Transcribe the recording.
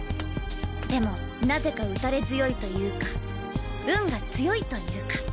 でもなぜか打たれ強いというか運が強いというか。